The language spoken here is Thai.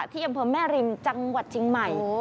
ที่อำเภอแม่ริมจังหวัดเชียงใหม่